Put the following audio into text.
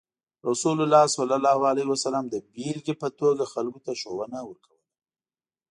رسول الله صلى الله عليه وسلم د بیلګې په توګه خلکو ته ښوونه ورکوله.